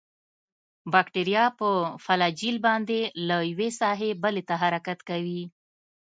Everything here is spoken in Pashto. باکتریا په فلاجیل باندې له یوې ساحې بلې ته حرکت کوي.